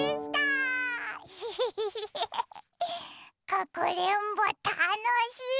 かくれんぼたのしい！